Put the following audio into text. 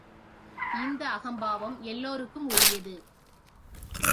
இந்த அகம்பாவம் எல்லோருக்கும் உரியது.